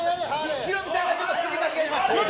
ヒロミさんがちょっと首傾げてます。